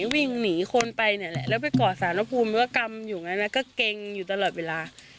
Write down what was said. วิ่งหนีคนไปเนี่ยแหละแล้วไปกอดสารพระภูมิว่ากำอยู่ไงนะก็เกรงอยู่ตลอดเวลา